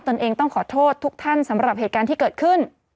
เองต้องขอโทษทุกท่านสำหรับเหตุการณ์ที่เกิดขึ้น